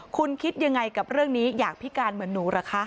คุณคิดยังไงกับเรื่องนี้อยากพิการเหมือนหนูเหรอคะ